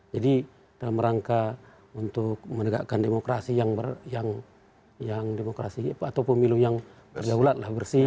jadi dalam rangka untuk menegakkan demokrasi yang demokrasi atau pemilu yang berjauhlat bersih